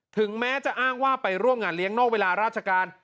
ถึงแม้จะอ้างว่าไปร่วมงานเลี้ยงนอกเวลาราชการ